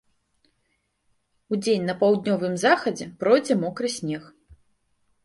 Удзень на паўднёвым захадзе пройдзе мокры снег.